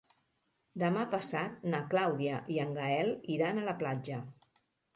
Demà passat na Clàudia i en Gaël iran a la platja.